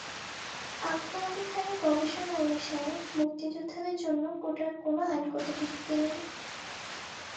আকবর আলি খানের গবেষণা অনুসারে, মুক্তিযোদ্ধাদের জন্য কোটার কোনো আইনগত ভিত্তি নেই।